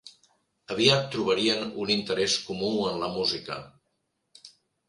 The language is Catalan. Aviat trobarien un interès comú en la música.